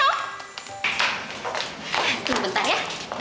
tunggu bentar ya